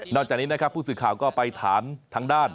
จากนี้นะครับผู้สื่อข่าวก็ไปถามทางด้าน